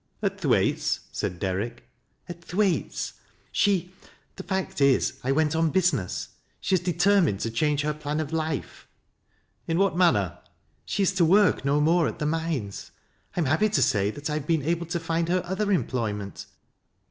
"AtThwaite's?" said Derrick. " At Thwaite's. She — the fact is I went on business — she has determined to change her plan of life." " In what manner ?" "She is to work no more at the mines. I am happy to 6ay that I have been able to find her other employment.'